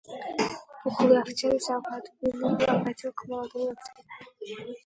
Пухлый офицер взял карту вин и обратился к молоденькому офицеру.